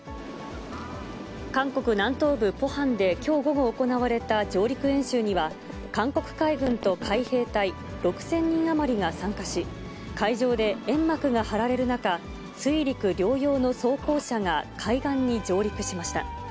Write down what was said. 韓国南東部ポハンで、きょう午後行われた上陸演習には、韓国海軍と海兵隊６０００人余りが参加し、海上で煙幕が張られる中、水陸両用の装甲車が海岸に上陸しました。